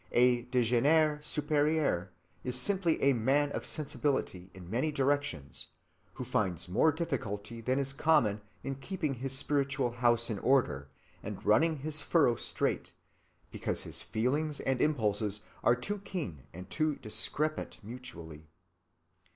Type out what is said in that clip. A "dégénéré supérieur" is simply a man of sensibility in many directions, who finds more difficulty than is common in keeping his spiritual house in order and running his furrow straight, because his feelings and impulses are too keen and too discrepant mutually.